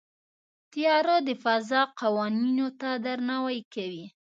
طیاره د فضا قوانینو ته درناوی کوي.